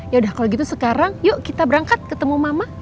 yaudah kalau gitu sekarang yuk kita berangkat ketemu mama